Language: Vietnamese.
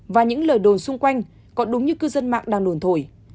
và những lời đồn xung quanh còn đúng như cư dân mạng đang đồn thổi